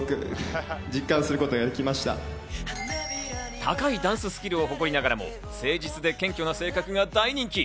高いダンススキルを誇りながらも誠実で謙虚な性格が大人気。